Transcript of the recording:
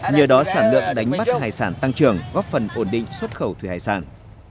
nhờ đó sản lượng đánh bắt hải sản tăng trưởng góp phần ổn định xuất khẩu thủy hải sản